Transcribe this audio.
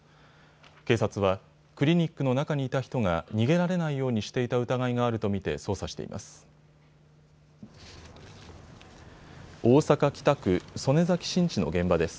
警察はクリニックの中にいた人が逃げられないようにしていた疑いがあると見て捜査しています。